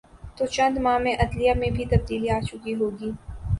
تو چند ماہ میں عدلیہ میں بھی تبدیلی آ چکی ہو گی۔